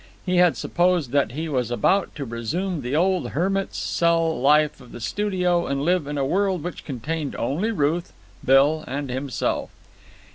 He had supposed that he was about to resume the old hermit's cell life of the studio and live in a world which contained only Ruth, Bill, and himself.